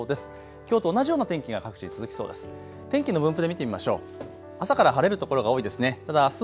きょうと同じような天気が各地続きそうです。